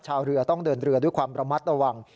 ชาวเรือต้องเดินเรือด้วยความระมัดระวัง